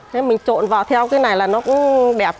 thế mình trộn vào theo cái này là nó cũng đẹp